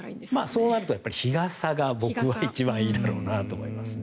そうなると日傘は僕は一番いいんだろうと思いますね。